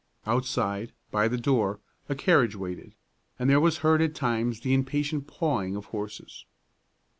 Outside, by the door, a carriage waited, and there was heard at times the impatient pawing of horses.